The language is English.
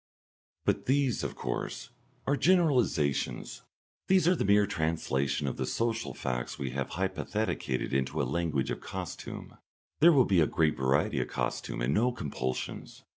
But these, of course, are generalisations. These are the mere translation of the social facts we have hypotheticated into the language of costume. There will be a great variety of costume and no compulsions.